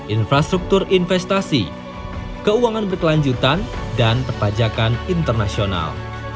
infrastruktur investasi keuangan berkelanjutan dan perpajakan internasional